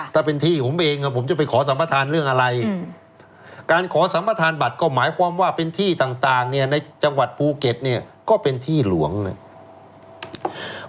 ถ้าเป็นที่ผมเองผมจะไปขอสัมประธานเรื่องอะไรการขอสัมประธานบัตรก็หมายความว่าเป็นที่ต่างเนี่ยในจังหวัดภูเก็ตเนี่ยก็เป็นที่หลวงเนี่ย